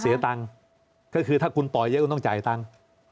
เสียตังค์ก็คือถ้าคุณปล่อยเยอะคุณต้องจ่ายตังค์